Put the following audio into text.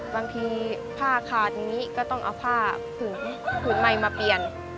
บางทีผ้าขาดอย่างนี้ก็ต้องเอาผ้าผืนผืนใหม่มาเปลี่ยน